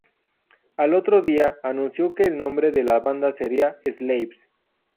Al otro día, anunció que el nombre de la banda sería "Slaves".